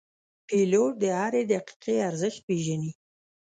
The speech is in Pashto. پیلوټ د هرې دقیقې ارزښت پېژني.